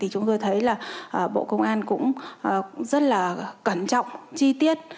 chúng tôi thấy là bộ công an cũng rất là cẩn trọng chi tiết